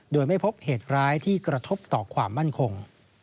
โดยไม่พบเหตุร้ายที่กระทบต่อความมั่นคง